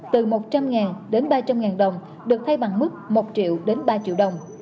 từ một trăm linh đến ba trăm linh đồng được thay bằng mức một triệu đến ba triệu đồng